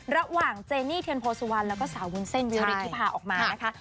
ระหว่างเจนี่เทียนโพสุวันแล้วก็สาววุ้นเส้นวิริธิภาคมออกมานะคะ